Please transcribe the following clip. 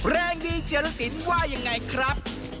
แรงดีเจรสินว่ายังไงครับ